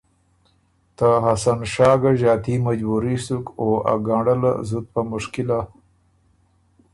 ته حسن شاه ګۀ ݫاتي مجبُوري سُک او ا ګنړه له زُت په مشکله